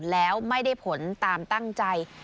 แล้วไม่ได้ผลตามตั้งใจ